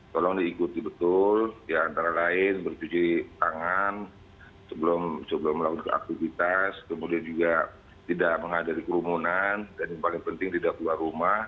tolong diikuti betul ya antara lain bercuci tangan sebelum melakukan aktivitas kemudian juga tidak menghadapi kerumunan dan yang paling penting tidak keluar rumah